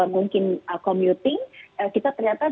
mungkin commuting kita ternyata bersihnya dapat tiga juta rupiah